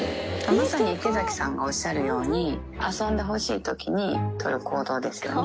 まさに池崎さんがおっしゃるように、遊んでほしいときに取る行動ですよね。